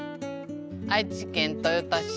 愛知県豊田市。